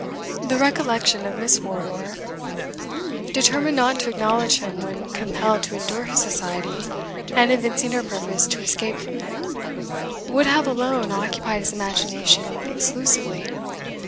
The recollection of Miss Wardour, determined not to acknowledge him when compelled to endure his society, and evincing her purpose to escape from it, would have alone occupied his imagination exclusively.